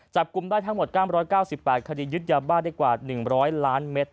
จับกลุ่มได้ทั้งหมด๙๙๘คดียึดยาบ้าได้กว่า๑๐๐ล้านเมตร